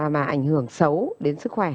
mà ảnh hưởng xấu đến sức khỏe